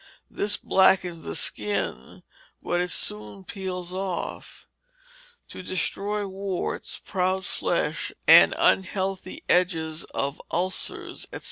This blackens the skin, but it soon peels off. To destroy warts, proud flesh, and unhealthy edges of ulcers, &c.